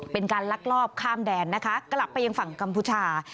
เป็นการลักลอบข้ามแดนนะคะกลับไปยังฝั่งกัมพูชา